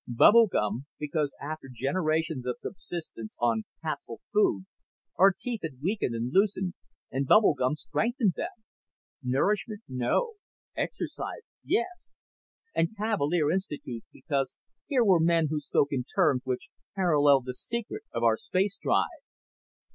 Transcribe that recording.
Bubble gum because after generations of subsistence on capsule food our teeth had weakened and loosened, and bubble gum strengthened them. Nourishment, no. Exercise, yes. And Cavalier Institute because here were men who spoke in terms which paralleled the secret of our spacedrive."